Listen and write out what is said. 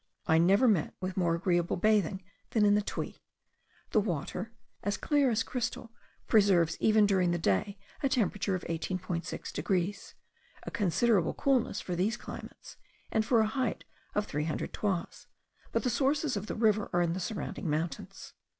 I never met with more agreeable bathing than in the Tuy. The water, as clear as crystal, preserves even during the day a temperature of 18.6 degrees; a considerable coolness for these climates, and for a height of three hundred toises; but the sources of the river are in the surrounding mountains.